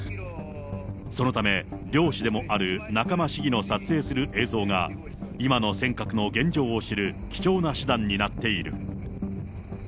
そのため、漁師でもある仲間市議の撮影する映像が、今の尖閣の現状を知る貴重な手段になっている。